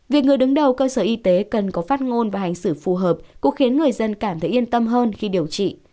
việc người đứng đầu cơ sở y tế cần có phát ngôn và hành xử phù hợp cũng khiến người dân cảm thấy yên tâm hơn khi điều trị